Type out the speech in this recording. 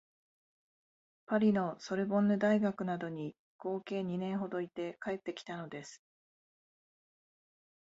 パリのソルボンヌ大学などに合計二年ほどいて帰ってきたのです